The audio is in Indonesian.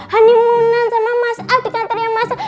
hanimunan sama mas al di kantor yang mas al